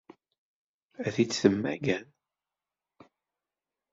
Ad t-id-temmager?